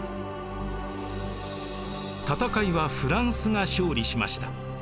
戦いはフランスが勝利しました。